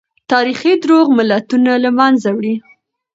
تاريخي دروغ ملتونه له منځه وړي.